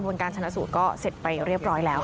ผมยังอยากรู้ว่าว่ามันไล่ยิงคนทำไมวะ